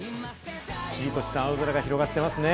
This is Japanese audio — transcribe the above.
すっきりとした青空が広がっていますね。